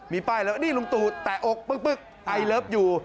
มีป้ายแล้วนี่ลุงตู่แตะอกปึ๊กไอเลิฟอยู่